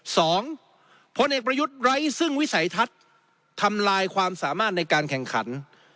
พลเอกประยุทธ์ไร้ซึ่งวิสัยทัศน์ทำลายความสามารถในการแข่งขัน